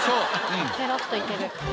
ペロッといける。